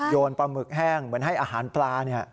ปลาหมึกแห้งเหมือนให้อาหารปลา